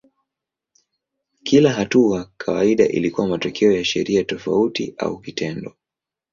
Kila hatua kawaida ilikuwa matokeo ya sheria tofauti au kitendo.